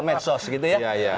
medsos gitu ya